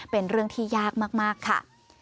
เป็นเรื่องที่ยากมากค่ะ